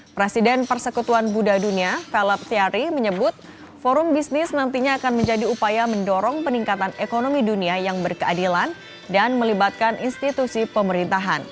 presiden persekutuan buddha dunia velop tiari menyebut forum bisnis nantinya akan menjadi upaya mendorong peningkatan ekonomi dunia yang berkeadilan dan melibatkan institusi pemerintahan